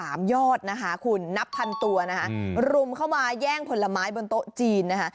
ยอดนะคะคุณนับพันตัวนะคะรุมเข้ามาแย่งผลไม้บนโต๊ะจีนนะคะ